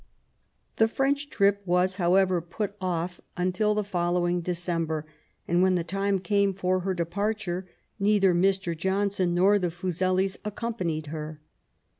... The French trip was, however, put off until the following December; and when the time came for her departure, neither Mr. Johnson nor the Fuselis ac companied her.